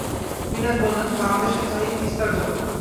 পিনাক বলেন, বাংলাদেশের চাই তিস্তার জল।